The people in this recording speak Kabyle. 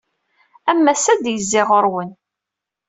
Am wass-a ad d-zziɣ ɣur-wen.